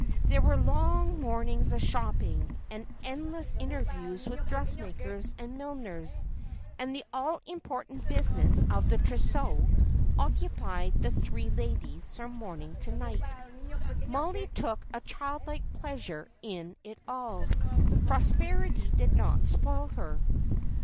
There were long mornings of shopping, and endless interviews with dressmakers and milliners; and the all important business of the trousseau occupied the three ladies from morning to night. Mollie took a child like pleasure in it all. Prosperity did not spoil her.